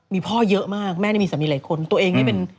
มีพ่อเยอะมากแม่มีสัมเกียร์หลายคนตัวเองไม่เป็น